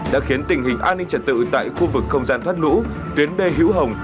đã khiến tình hình an ninh trật tự tại khu vực không gian thoát lũ tuyến b hữu hồng